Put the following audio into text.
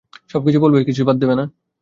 সবকিছু বলবে, কিছুই বাদ দেবে না।